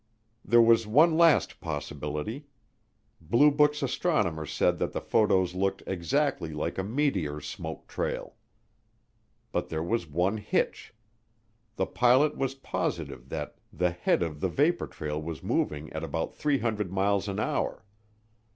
There was one last possibility: Blue Book's astronomer said that the photos looked exactly like a meteor's smoke trail. But there was one hitch: the pilot was positive that the head of the vapor trail was moving at about 300 miles an hour.